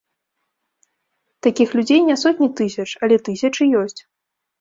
Такіх людзей не сотні тысяч, але тысячы ёсць.